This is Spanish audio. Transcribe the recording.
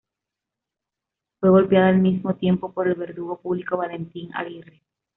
Fue golpeada al mismo tiempo por el verdugo público, Valentín Aguirre.